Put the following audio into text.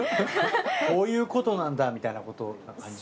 こういうことなんだみたいなことな感じ？